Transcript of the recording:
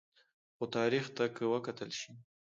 خو تاریخ ته که وکتل شي